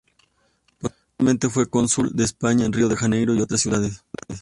Posteriormente fue cónsul de España en Río de Janeiro y otras ciudades.